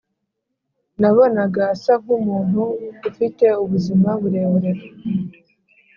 nabonaga asa nkumuntu ufite ubuzima burebure